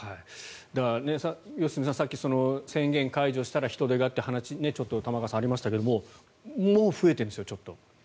だから、良純さん、さっき宣言解除したら人出がという話がちょっと玉川さんありましたがもう増えてるんですよちょっと。